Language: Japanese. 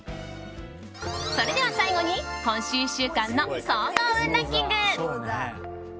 それでは、最後に今週１週間の総合運ランキング。